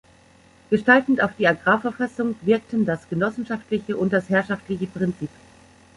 Gestaltend auf die Agrarverfassung wirkten das genossenschaftliche und das herrschaftliche Prinzip.